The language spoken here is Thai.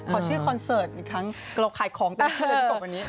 ขอชื่อคอนเสิร์ตอีกครั้งเราขายของแต่ไม่เคยจบวันนี้